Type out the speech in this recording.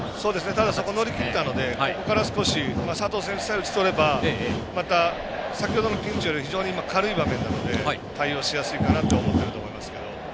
ただそこを乗り切ったので佐藤選手さえ打ち取ればまた、先ほどのピンチより軽い場面なので対応しやすいかなと思っていますけど。